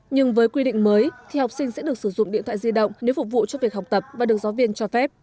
nhưng với quy định mới thì học sinh sẽ được sử dụng điện thoại di động nếu phục vụ cho việc học tập và được giáo viên cho phép